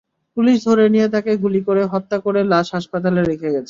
Police ধরে নিয়ে তাঁকে গুলি করে হত্যা করে লাশ হাসপাতালে রেখে গেছে।